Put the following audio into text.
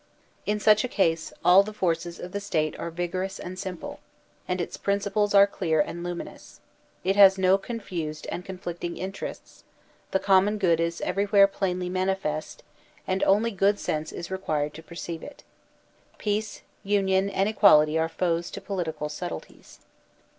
In such a case all the forces of the State are vigorous and simple, and its principles are clear and luminous; it has no confused and conflicting interests; the common good is everywhere plainly manifest and only good sense is required to perceive it. Peace, union, and equality are foes to political subtleties.